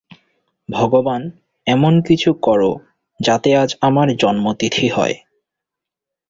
ভগবান এমন-কিছু করো যাতে আজ আমার জন্মতিথি হয়।